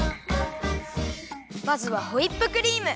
まずはホイップクリーム！